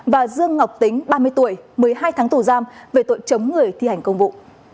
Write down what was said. và dương ngọc tính ba mươi tuổi một mươi hai tháng tù giam về tội chống người thi hành công vụ